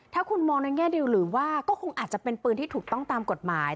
ถ้าคุณมองในแง่ดีหรือว่าก็คงอาจจะเป็นปืนที่ถูกต้องตามกฎหมาย